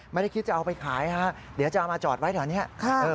ไม่ได้คิดจะเอาไปขายฮะเดี๋ยวจะเอามาจอดไว้แถวนี้